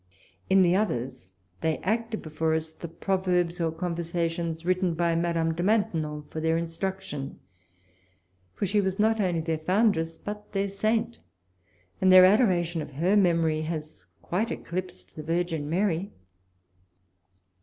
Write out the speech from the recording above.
In the others, they acted before us the proverbs or conversa tions written by Madame de Maintenon for their instruction ; for she was not only their foundress but their saint, and their adoration of her memory has quite eclipsed the Virgin Mai y.